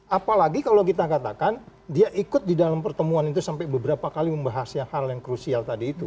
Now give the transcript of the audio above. apalagi kalau kita katakan dia ikut di dalam pertemuan itu sampai beberapa kali membahas hal yang krusial tadi itu